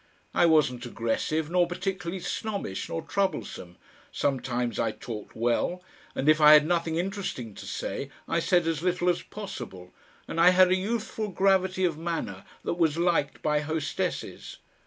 I wasn't aggressive nor particularly snobbish nor troublesome, sometimes I talked well, and if I had nothing interesting to say I said as little as possible, and I had a youthful gravity of manner that was liked by hostesses.